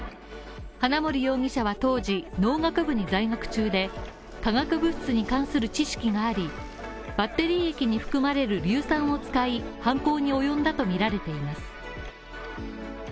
花森容疑者は当時、農学部に在学中で、化学物質に関する知識があり、バッテリー液に含まれる硫酸を使い、犯行に及んだとみられています。